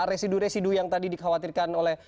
residu residu yang tadi dikhawatirkan oleh